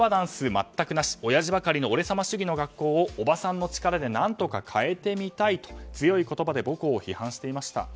全くなしおやじばかりの俺様主義の学校をおばさんの力で何とか変えてみたいと強い言葉で母校を批判していました。